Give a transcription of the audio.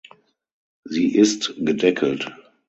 Sie ist gedeckelt.